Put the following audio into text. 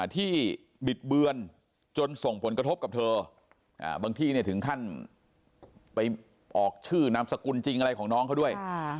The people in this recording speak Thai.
บิดเบือนจนส่งผลกระทบกับเธอบางที่ถึงขั้นไปออกชื่อนามสกุลจริงอะไรของน้องเขาด้วย